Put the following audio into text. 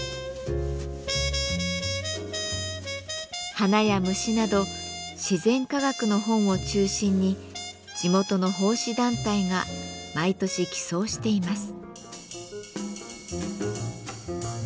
花や虫など自然科学の本を中心に地元の奉仕団体が毎年寄贈しています。